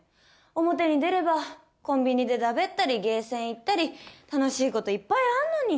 表に出ればコンビニでダベったりゲーセン行ったり楽しい事いっぱいあんのに。